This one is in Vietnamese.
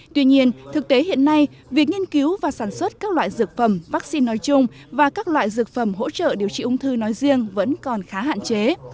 tuy nhiên thực tế hiện nay việc nghiên cứu và sản xuất các loại dược phẩm vaccine nói chung và các loại dược phẩm hỗ trợ điều trị ung thư nói riêng vẫn còn khá hạn chế